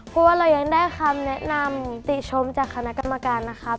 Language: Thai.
เพราะว่าเรายังได้คำแนะนำติชมจากคณะกรรมการนะครับ